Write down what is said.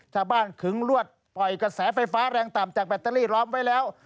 ขึงลวดปล่อยกระแสไฟฟ้าแรงต่ำจากแบตเตอรี่ล้อมไว้แล้ว